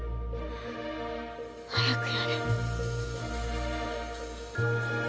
早くやれ。